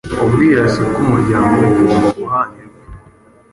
Ubwirasi bw‟umuryango bugomba guhanirwa